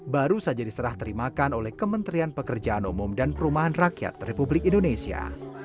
baru saja diserah terimakan oleh kementerian pekerjaan umum dan perumahan rakyat republik indonesia